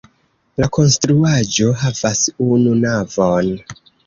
La konstruaĵo havas unu navon.